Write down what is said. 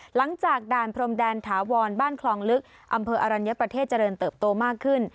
หลังจากด่านพรมแดนถาวรบ้านคลองลึกอำเภออรัญญประเทศเจริญเติบโตมากขึ้น